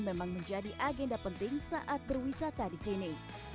memang menjadi agenda penting saat berwisata di sini